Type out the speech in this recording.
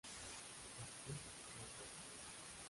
Steve Cropper